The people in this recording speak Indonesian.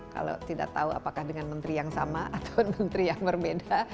kalau tidak tahu apakah dengan menteri yang sama atau menteri yang berbeda